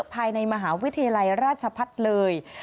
ภายในมหาวิทยาลัยราชพัฒน์เลย